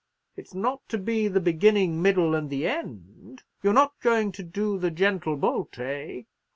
It's not to be the beginning, middle, and the end? You're not going to do the gentle bolt—eh?"